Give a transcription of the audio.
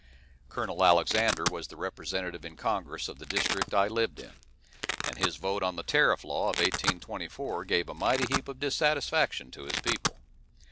Col. Alexander was the representative in Congress of the district I lived in, and his vote on the tariff law of 1824 gave a mighty heap of dissatisfaction to his people.